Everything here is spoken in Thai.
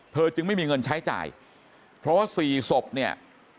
จึงไม่มีเงินใช้จ่ายเพราะว่าสี่ศพเนี่ย